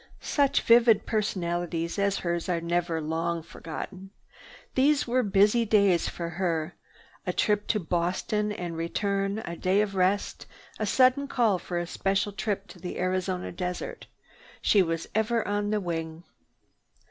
Such vivid personalities as hers are never long forgotten. These were busy days for her. A trip to Boston and return; a day of rest; a sudden call for a special trip to the Arizona desert—she was ever on the wing.